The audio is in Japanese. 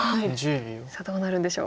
さあどうなるんでしょう。